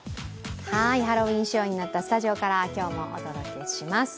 ハロウィーン衣装仕様になったスタジオから今日もお届けします。